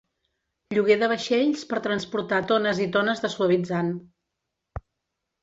Lloguer de vaixells per transportar tones i tones de suavitzant.